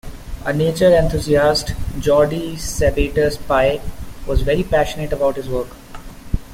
A nature enthusiast, Jordi Sabater Pi was very passionate about his work.